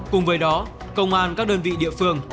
cùng với đó công an các đơn vị địa phương